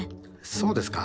そうですか？